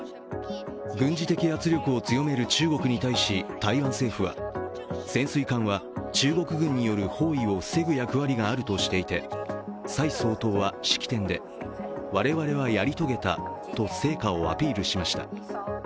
軍事的圧力を強める中国に対し台湾政府は潜水艦は中国軍による包囲を防ぐ役割があるとしていて蔡総統は式典で、我々はやり遂げたと成果をアピールしました。